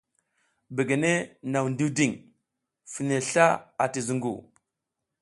Begene nang ndiwding fine sla ati zungu.